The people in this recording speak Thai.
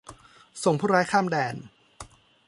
ส่งผู้ร้ายข้ามแดน